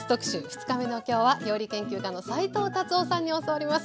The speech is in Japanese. ２日目の今日は料理研究家の斉藤辰夫さんに教わります。